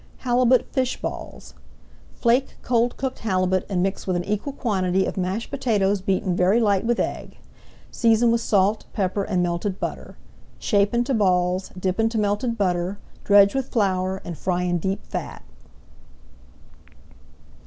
HALIBUT FISH BALLS Flake cold cooked halibut and mix with an equal quantity of mashed potatoes beaten very light with egg. Season with salt, pepper, and melted butter. Shape into balls, dip into melted butter, dredge with flour, and fry in deep fat.